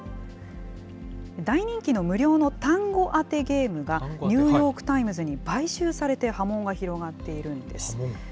大人気の無料の単語当てゲームが、ニューヨーク・タイムズに買収されて波紋が広がっているんです。